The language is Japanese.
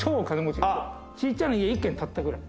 ちっちゃな家１軒建ったくらい。